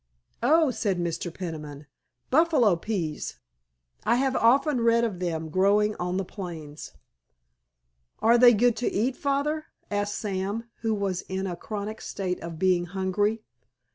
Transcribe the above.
"Oh," said Mr. Peniman, "buffalo peas! I have often read of them growing on the plains." "Are they good to eat, Father?" asked Sam, who was in a chronic state of being hungry.